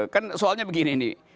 kan soalnya begini nih